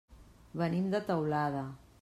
Venim de Teulada.